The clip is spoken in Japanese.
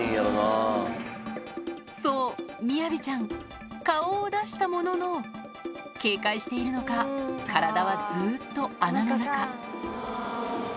そう、みやびちゃん、顔を出したものの、警戒しているのか、体はずーっと穴の中。